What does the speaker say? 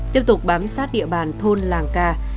tiếp tục bám sát địa bàn thôn làng ca